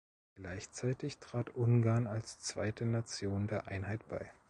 Gleichzeitig trat Ungarn als zweite Nation der Einheit bei.